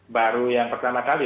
baru yang pertama kali